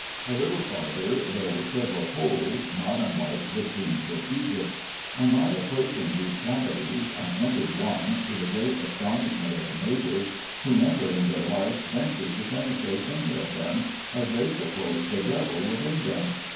A little farther there were several holes, not unlike the tombs of Egypt. On my approaching these cavities, I entered one, to the great astonishment of the natives, who never in their life ventured to penetrate any of them, as they supposed the devil was in them.